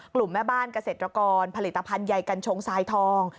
แม่บ้านเกษตรกรผลิตภัณฑ์ใยกัญชงทรายทอง